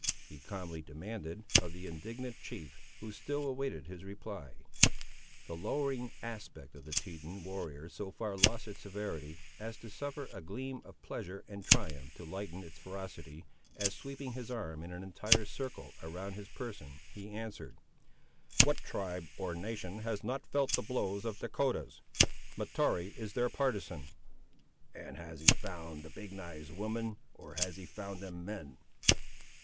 he calmly demanded of the indignant chief, who still awaited his reply. The lowering aspect of the Teton warrior so far lost its severity, as to suffer a gleam of pleasure and triumph to lighten its ferocity, as sweeping his arm in an entire circle around his person he answered— "What tribe or nation has not felt the blows of the Dahcotahs? Mahtoree is their partisan." "And has he found the Big knives women, or has he found them men?"